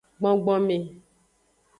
Gbogbome.